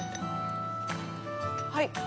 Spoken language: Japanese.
はい。